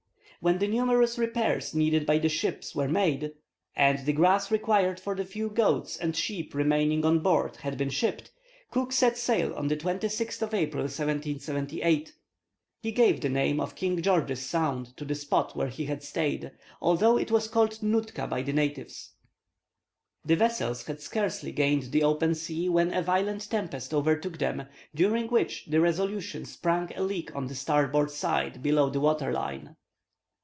When the numerous repairs needed by the ships were made, and the grass required for the few goats and sheep remaining on board had been shipped, Cook set sail on the 26th of April, 1778. He gave the name of King George's Sound to the spot where he had stayed, although it was called Nootka by the natives. The vessels had scarcely gained the open sea when a violent tempest overtook them, during which the Resolution sprung a leak on the starboard side below the water line.